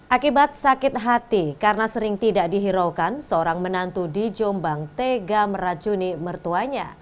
akibat sakit hati karena sering tidak dihiraukan seorang menantu di jombang tega meracuni mertuanya